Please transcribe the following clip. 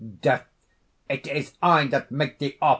DEATH. "It is I that make thee awful!